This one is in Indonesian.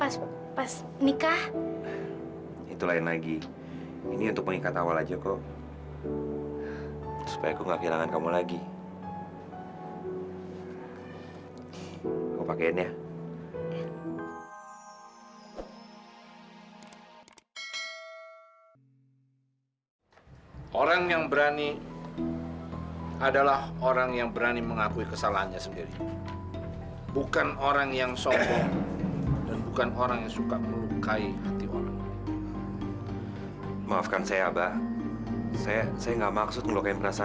sampai jumpa di video selanjutnya